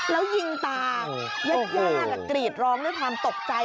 แล้วยิงตายญาติกรีดร้องด้วยความตกใจ